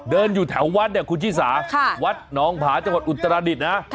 เดินอยู่แถววัดเนี่ยคุณชิสาวัดน้องผาจังหวัดอุตรดิษฐ์นะ